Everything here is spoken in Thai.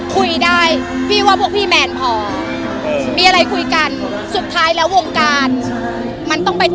คุยได้พี่ว่าพวกพี่แมนพอมีอะไรคุยกัน